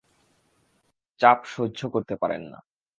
চাপ সহ্য করতে পারেন না।